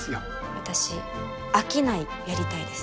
私商いやりたいです。